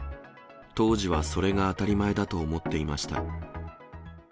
当時はそれが当たり前だと思っていました。